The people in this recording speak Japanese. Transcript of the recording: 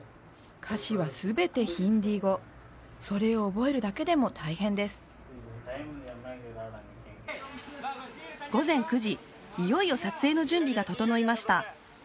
歌詞は全てヒンディー語それを覚えるだけでも大変です午前９時いよいよ撮影の準備が整いました